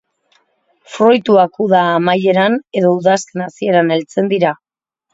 Fruituak uda-amaieran, edo udazken-hasieran heltzen dira.